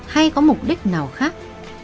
hay có mục đích nào khác